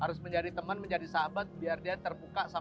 kalau sekarang kan orang sudah lihat sudah sangat sukses